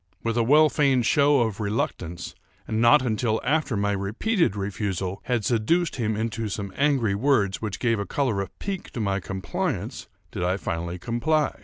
With a well feigned show of reluctance, and not until after my repeated refusal had seduced him into some angry words which gave a color of pique to my compliance, did I finally comply.